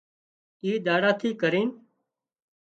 اِي ۮاڙا ٿِي ڪرينَ